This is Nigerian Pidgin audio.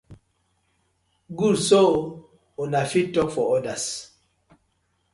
Good so una fit tok for others.